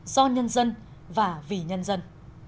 do nhân dân và vì nhân dân